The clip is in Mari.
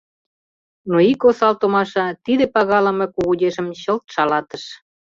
Но ик осал томаша тиде пагалыме кугу ешым чылт шалатыш.